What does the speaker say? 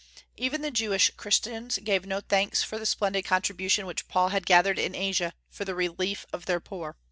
Even the Jewish Christians gave no thanks for the splendid contribution which Paul had gathered in Asia for the relief of their poor.